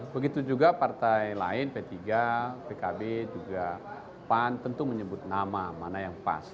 begitu juga partai lain p tiga pkb juga pan tentu menyebut nama mana yang pas